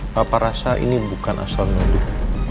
papa rasa ini bukan asal maju